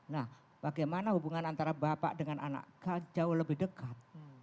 nah bagaimana hubungan antara bapak dengan anak kau jauh lebih dekat